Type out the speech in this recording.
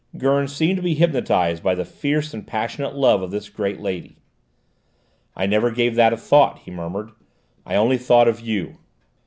Gurn seemed to be hypnotised by the fierce and passionate love of this great lady. "I never gave that a thought," he murmured. "I only thought of you!"